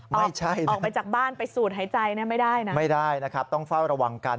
ไม่ใช่นะครับไม่ได้นะครับต้องเฝ้าระวังกันออกไปจากบ้านไปสูดหายใจ